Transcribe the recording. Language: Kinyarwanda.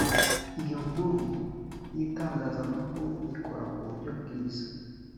iyo nkuru y itangazamakuru ikora ku buryo bwiza